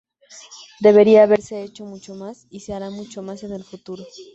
Debería haberse hecho mucho más, y se hará mucho más en el futuro.